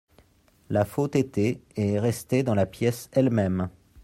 La faute était et est restée dans la pièce elle-même.